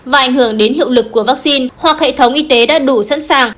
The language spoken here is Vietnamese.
và ảnh hưởng đến hiệu lực của vaccine hoặc hệ thống y tế đã đủ sẵn sàng